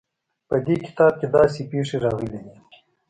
په دې کتاب کې داسې پېښې راغلې دي.